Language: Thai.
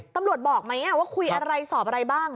บอกไหมว่าคุยอะไรสอบอะไรบ้าง